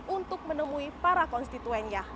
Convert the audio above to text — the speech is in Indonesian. untuk menemui para konstituennya